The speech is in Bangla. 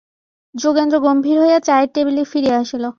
যোগেন্দ্র গম্ভীর হইয়া চায়ের টেবিলে ফিরিয়া আসিল।